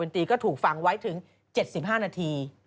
ถูกฝั่งไว้ถึง๗๕นาที